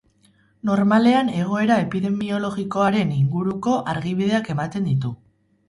Normalean egoera epidemiologikoaren inguruko argibideak ematen ditu.